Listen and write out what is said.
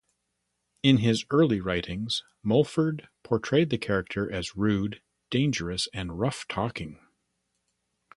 In his early writings, Mulford portrayed the character as rude, dangerous, and rough-talking.